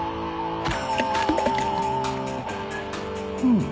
うん。